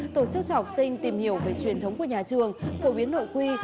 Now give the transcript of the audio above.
tổ chức cho học sinh tìm hiểu về truyền thống của nhà trường phổ biến nội quy